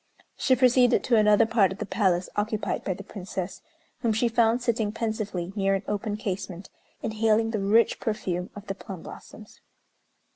She proceeded to another part of the palace occupied by the Princess, whom she found sitting pensively near an open casement, inhaling the rich perfume of the plum blossoms.